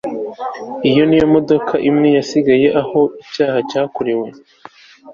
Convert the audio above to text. iyi niyo modoka imwe yasigaye aho icyaha cyakorewe